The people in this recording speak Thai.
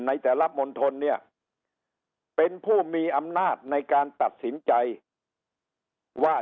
ในแต่ละมณฑลเนี่ยเป็นผู้มีอำนาจในการตัดสินใจว่า